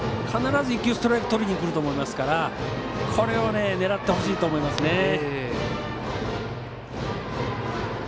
かならず１球、ストレートとりにくると思いますからこれを狙ってほしいと思いますね。